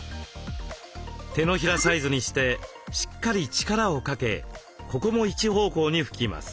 手のひらサイズにしてしっかり力をかけここも一方向に拭きます。